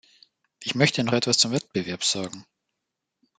Ich möchte noch etwas zum Wettbewerb sagen.